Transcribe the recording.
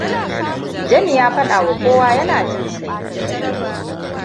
Jami ya faɗawa kowa yana jin sanyi.